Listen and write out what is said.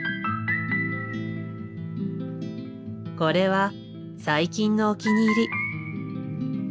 これは最近のお気に入り。